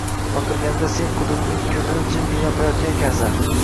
Baqirganimda sen quduqning ko’zini jimgina yopayotgan ekansan.